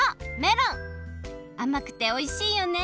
あまくておいしいよね。